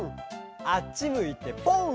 あっちむいてぽん！